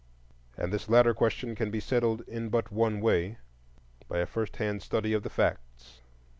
And this latter question can be settled in but one way,—by a first hand study of the facts.